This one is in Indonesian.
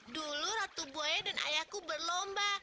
dulu ratu buaya dan ayahku berlomba